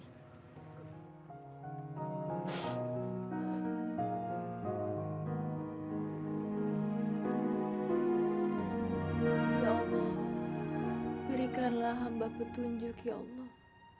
ya allah berikanlah hamba petunjuk ya allah